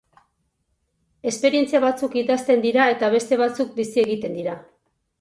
Esperientzia batzuk idazten dira eta beste batzuk bizi egiten dira.